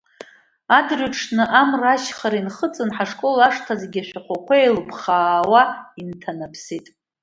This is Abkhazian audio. Адырҩаҽны амра ашьхара инхыҵын, ҳашкол ашҭа зегьы ашәахәақәа еилыԥхаауа инҭанаԥсеит.